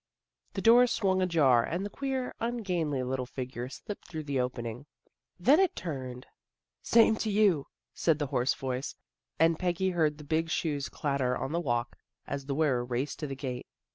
The door swung ajar and the queer, ungainly little figure slipped through the opening. Then it turned. " Same to you," said the hoarse voice, and Peggy heard the big shoes clatter on the walk, as the wearer raced to the gate.